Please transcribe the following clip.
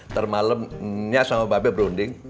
termalemnya sama babe berunding